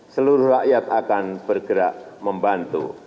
seluruh rakyat akan bergerak membantu